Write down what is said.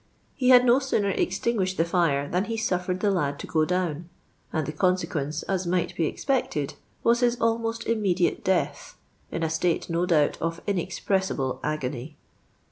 lie had no sooner extinguished the fire than he suffered the lad to go down ; and the consequence, as might be espectrd, was his almost immediate death, in a state, no doubt, of tncxpresiiblc agony.